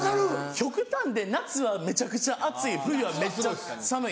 極端で夏はめちゃくちゃ暑い冬はめっちゃ寒い。